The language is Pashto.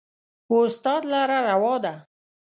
و استاد لره روا ده